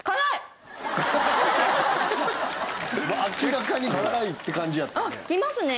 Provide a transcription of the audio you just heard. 明らかに辛いって感じやったね。